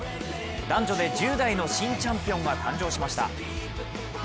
男女で１０代の新チャンピオンが誕生しました。